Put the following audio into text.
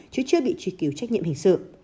chứ chưa bị trì cứu trách nhiệm hình sự